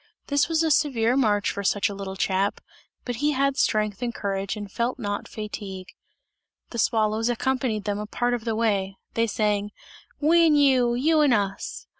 This was a severe march for such a little chap, but he had strength and courage, and felt not fatigue. The swallows accompanied them a part of the way. They sang: "We and you! You and us!"